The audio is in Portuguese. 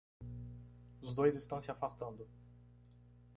Os dois estão se afastando